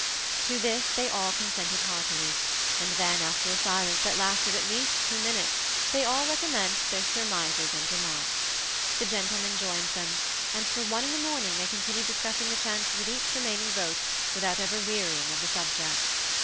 To this they all consented heartily, and then, after a silence that lasted at least two minutes, they all recom menced their surmises and remarks. The gentlemen joined them, and till one in the morning they continued discussing the chances of each remaining vote without ever wearying of the subject.